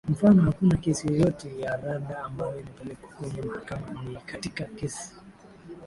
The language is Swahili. mfano hakuna kesi yeyote ya rada ambayo imepelekwa kwenye mahakama ni katika kesi